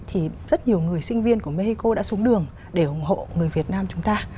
thì rất nhiều người sinh viên của mexico đã xuống đường để ủng hộ người việt nam chúng ta